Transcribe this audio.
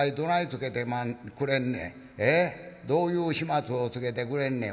どういう始末をつけてくれんねん？」。